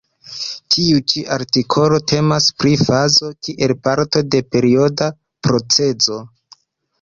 Tiu ĉi artikolo temas pri fazo kiel parto de perioda procezo.